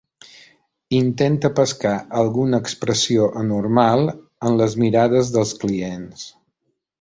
Intenta pescar alguna expressió anormal en les mirades dels clients.